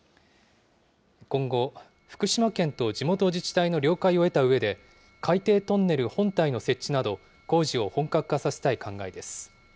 今後、福島県と地元自治体の了解を得たうえで、海底トンネル本体の設置など、工事を本格化させたい考えです。